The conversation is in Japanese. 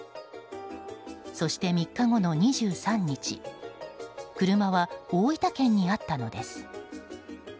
そして、３日後の２３日車は大分県にあったのです。